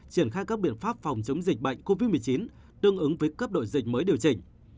triển khai các biện pháp phòng chống dịch bệnh covid một mươi chín tương ứng với cấp độ dịch mới điều chỉnh